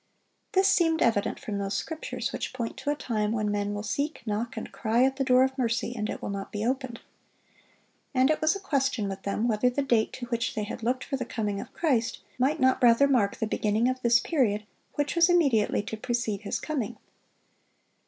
This seemed evident from those scriptures which point to a time when men will seek, knock, and cry at the door of mercy, and it will not be opened. And it was a question with them whether the date to which they had looked for the coming of Christ might not rather mark the beginning of this period which was immediately to precede His coming.